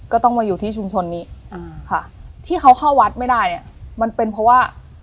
ก็ต้องมาอยู่ที่ชุมชนนี้อ่าค่ะที่เขาเข้าวัดไม่ได้เนี่ยมันเป็นเพราะว่า